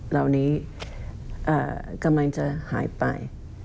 เหล่านี้กำลังจะหายไป